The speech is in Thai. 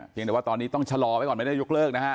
แต่ว่าตอนนี้ต้องชะลอไว้ก่อนไม่ได้ยกเลิกนะฮะ